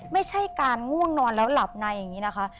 ไม่ใช่การง่วงนอนแล้วหลับในอย่างนี้นะคะ